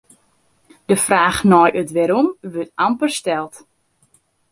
De fraach nei it wêrom wurdt amper steld.